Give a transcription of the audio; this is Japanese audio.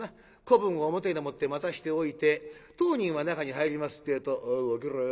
子分を表でもって待たしておいて当人は中に入りますってぇと。